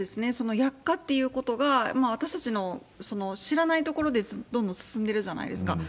薬価っていうことが、私たちの知らないところでどうも進んでるじゃないですか。